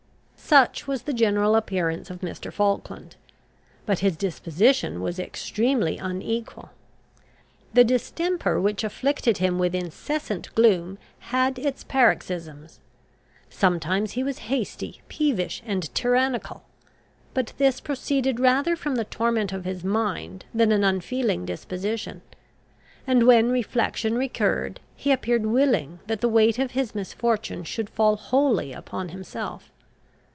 Such was the general appearance of Mr. Falkland: but his disposition was extremely unequal. The distemper which afflicted him with incessant gloom had its paroxysms. Sometimes he was hasty, peevish, and tyrannical; but this proceeded rather from the torment of his mind than an unfeeling disposition; and when reflection recurred, he appeared willing that the weight of his misfortune should fall wholly upon himself.